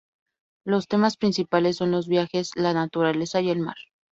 Los temas principales son los viajes, la naturaleza y el mar.